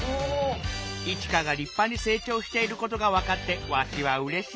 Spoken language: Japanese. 「イチカがりっぱにせい長していることがわかってわしはうれしい！」。